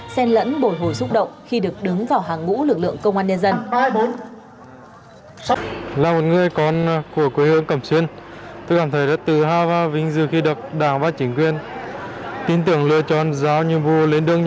xen lẫn bồi hồi xúc động khi được đứng vào hàng ngũ lực lượng công an nhân dân